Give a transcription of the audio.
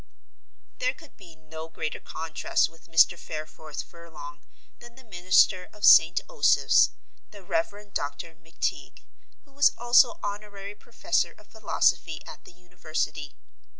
There could be no greater contrast with Mr. Fareforth Furlong than the minister of St. Osoph's, the Rev. Dr. McTeague, who was also honorary professor of philosophy at the university.